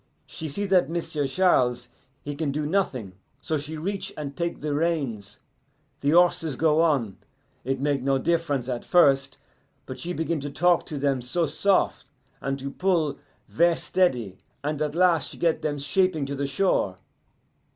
She see that M'sieu' Charles, he can do nothing, so she reach and take the reins. The horses go on; it make no diff'rence at first. But she begin to talk to them so sof', and to pull ver' steady, and at last she get them shaping to the shore.